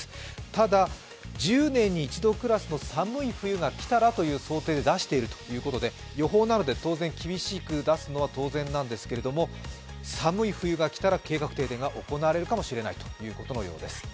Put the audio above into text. ただ、１０年に一度クラスの寒い冬が来たらという想定で出しているということで予報なので、厳しく出すのは当然なんですけど、寒い冬が来たら計画停電が行われるかもしれないというようです。